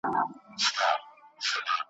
هري خواته سرې مرمۍ وې اورېدلې `